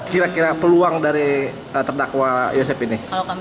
kira kira peluang dari terdakwa yosep ini